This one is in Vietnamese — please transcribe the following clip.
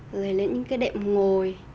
rồi lên những cái đệm ngồi